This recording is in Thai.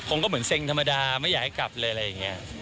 ก็เหมือนเซ็งธรรมดาไม่อยากให้กลับเลยอะไรอย่างนี้